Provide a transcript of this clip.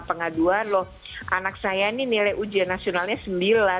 pengaduan loh anak saya ini nilai ujian nasionalnya sembilan